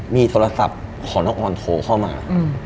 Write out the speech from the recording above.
มีโทรศัพท์ของน้องออนโทรเข้ามา